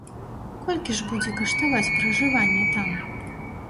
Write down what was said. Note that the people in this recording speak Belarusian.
Колькі ж будзе каштаваць пражыванне там?